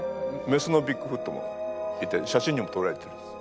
メスのビッグフットもいて写真にもとられてるんです。